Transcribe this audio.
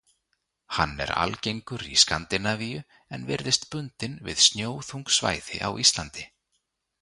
Hann er algengur í Skandinavíu en virðist bundinn við snjóþung svæði á Íslandi.